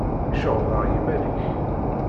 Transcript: Iceɣɣeb-aɣ yimal-ik.